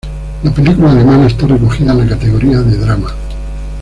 La película alemana está recogida en la categoría de drama.